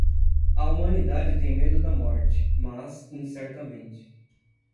A humanidade tem medo da morte, mas incertamente.